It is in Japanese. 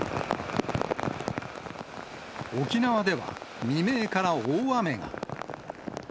沖縄では未明から大雨が。